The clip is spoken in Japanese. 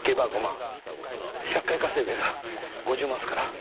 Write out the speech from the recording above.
１００回稼げば５０万っすから。